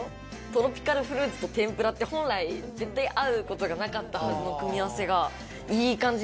トロピカルフルーツと天ぷらって本来絶対合う事がなかったはずの組み合わせが。